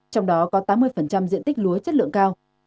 trong đó có tám mươi diện tích lúa chất lượng cao